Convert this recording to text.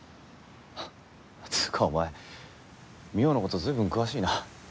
つうかお前望緒の事随分詳しいな。